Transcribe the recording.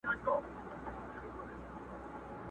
د انسانانو په جنګ راغلې؛